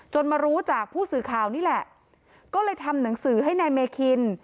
มารู้จากผู้สื่อข่าวนี่แหละก็เลยทำหนังสือให้นายเมคิน